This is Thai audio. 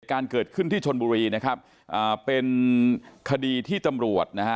การเกิดขึ้นที่ชนบุรีนะครับอ่าเป็นคดีที่ตำรวจนะฮะ